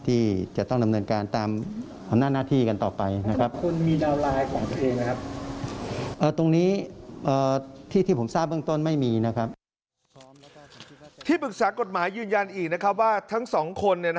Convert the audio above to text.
ที่ปรึกษากฎหมายยืนยันอีกนะครับว่าทั้งสองคน